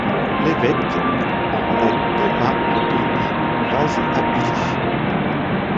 L’évêque en est Thomas Anthony Vazhapilly.